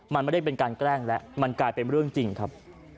มันไม่ได้เป็นการแกล้งแล้วมันกลายเป็นเรื่องจริงครับ